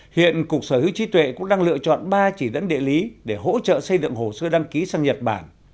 hiện cục sở hữu trí tuệ cũng đang lựa chọn ba chỉ dẫn địa lý để hỗ trợ xây dựng hồ sơ đăng ký sang nhật bản